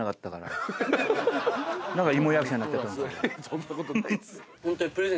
そんなことないです。